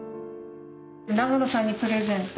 長野さんにプレゼント。